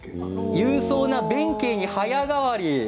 勇壮な弁慶に早変わり。